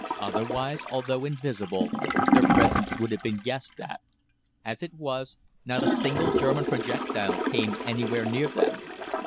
Otherwise, although invisible, their presence would have been guessed at. As it was, not a single German projectile came anywhere near them.